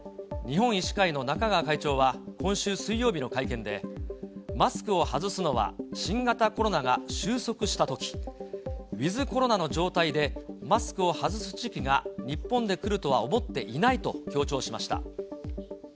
日本医師会の中川会長は、今週水曜日の会見で、マスクを外すのは新型コロナが終息したとき、ウィズコロナの状態でマスクを外す時期が日本で来るとは思っていないと強調しました。